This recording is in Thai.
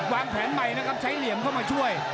วางแผนใหม่นะครับใช้เหลี่ยมเข้ามาช่วย